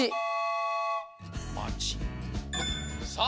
さあ